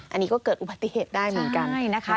อันนี้ก็เกิดอุบัติเหตุได้เหมือนกันนะคะ